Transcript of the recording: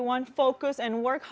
karena tidak ada yang mudah